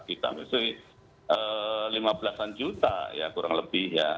kita mesti lima belasan juta ya kurang lebih ya